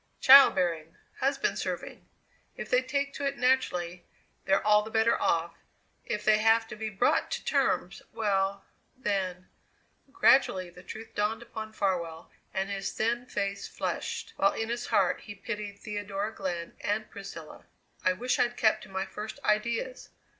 Child bearing; husband serving. If they take to it naturally they're all the better off; if they have to be brought to terms well, then " Gradually the truth dawned upon Farwell, and his thin face flushed, while in his heart he pitied Theodora Glenn and Priscilla. "I wish I'd kept to my first ideas!"